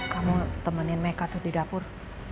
kamu temenin mereka tuh di dapur